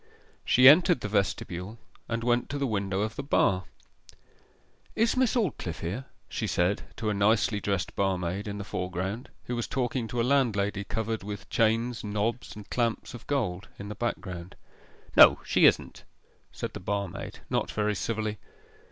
She entered the vestibule, and went to the window of the bar. 'Is Miss Aldclyffe here?' she said to a nicely dressed barmaid in the foreground, who was talking to a landlady covered with chains, knobs, and clamps of gold, in the background. 'No, she isn't,' said the barmaid, not very civilly.